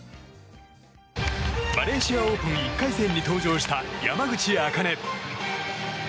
マレーシアオープン１回戦に登場した山口茜。